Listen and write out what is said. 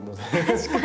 確かに。